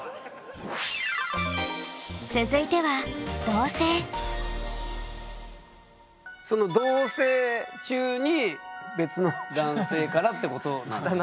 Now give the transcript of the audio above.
続いてはその同棲中に「別の男性から」ってことなんですかね？